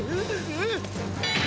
えっ！？